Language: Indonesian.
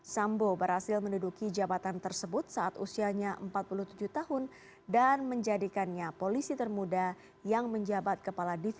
sambo berhasil menduduki jabatan tersebut saat usianya empat puluh tujuh tahun dan menjadikannya polisi termuda yang menjabat kepala divisi